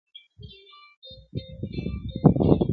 ورته راغلل غوري ګان د پولاوونو -